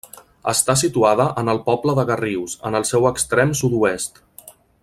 Està situada en el poble de Garrius, en el seu extrem sud-oest.